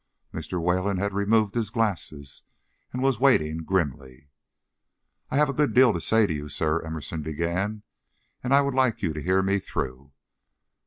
Mr. Wayland had removed his glasses, and was waiting grimly. "I have a good deal to say to you, sir," Emerson began, "and I would like you to hear me through."